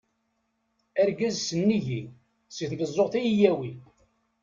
Argaz sennig-i, si tmeẓẓuɣt ad yi-yawi.